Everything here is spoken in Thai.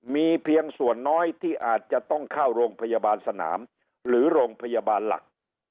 มีเพียงส่วนน้อยที่อาจจะต้องเข้าโรงพยาบาลสนามหรือโรงพยาบาลหลัก